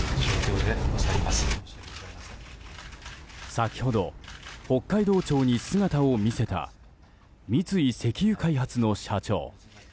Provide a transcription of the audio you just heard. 先ほど、北海道庁に姿を見せた三井石油開発の社長。